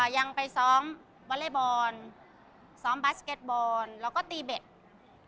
ยังไปซ้อมวอเล็กบอลซ้อมบาสเก็ตบอลแล้วก็ตีเบ็ด